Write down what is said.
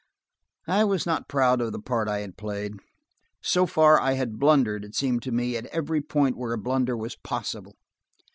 I was not proud of the part I had played. So far, I had blundered, it seemed to me, at every point where a blunder was possible.